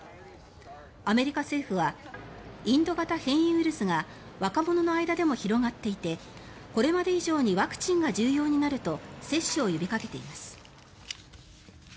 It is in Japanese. アメリカ政府はインド型変異ウイルスが若者の間でも広がっていてこれまで以上にワクチンが重要になると接種を呼びかけています。